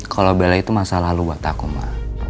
kalau bella itu masa lalu wataku ma